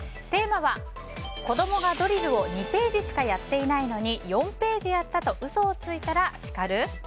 テーマは子供がドリルを２ページしかやっていないのに４ページやったと嘘をついたら叱る？